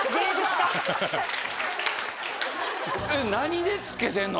何で付けてんの？